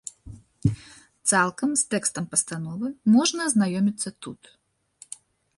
Цалкам з тэкстам пастановы можна азнаёміцца тут.